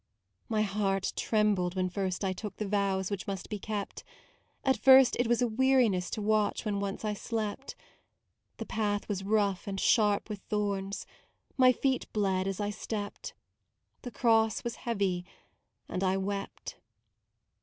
My heart trembled when first I took The vows which must be kept; At first it was a weariness To watch when once I slept. The path was rough and sharp with thorns; My feet bled as I stepped; The Cross was heavy and I wept.